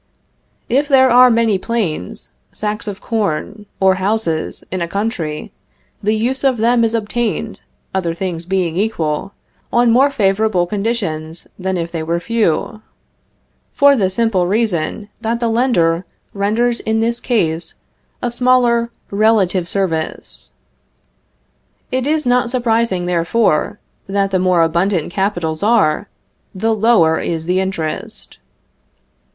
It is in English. If there are many planes, sacks of corn, or houses, in a country, the use of them is obtained, other things being equal, on more favorable conditions than if they were few; for the simple reason, that the lender renders in this case a smaller relative service. It is not surprising, therefore, that the more abundant capitals are, the lower is the interest.